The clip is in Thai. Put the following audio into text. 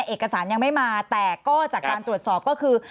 เอกสารยังไม่มาแต่ก็จากการตรวจสอบก็คือ